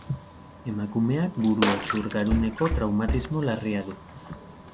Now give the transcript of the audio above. Emakumeak burezur-garuneko traumatismo larria du.